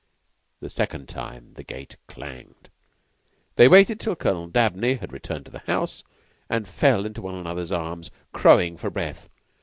A second time the gate clanged. They waited till Colonel Dabney had returned to the house, and fell into one another's arms, crowing for breath.